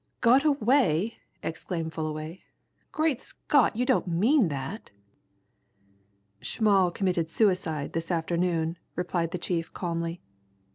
"Got away!" exclaimed Fullaway. "Great Scott you don't mean that!" "Schmall committed suicide this afternoon," replied the chief calmly.